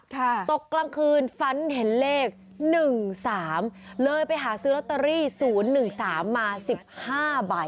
ตกกลางคืนฝันเห็นเลข๑๓เลยไปหาซื้อลอตเตอรี่๐๑๓มา๑๕ใบ